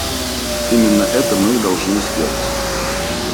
Именно это мы и должны сделать.